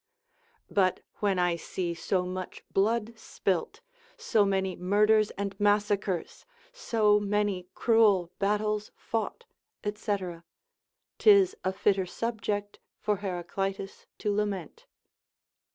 But when I see so much blood spilt, so many murders and massacres, so many cruel battles fought, &c. 'tis a fitter subject for Heraclitus to lament.